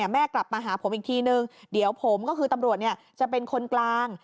แม่กลับมาหาผมอีกทีนึงเดี๋ยวผมก็คือตำรวจจะเป็นคนกลาง